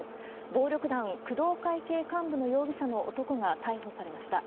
暴力団、工藤会系幹部の容疑者の男が逮捕されました。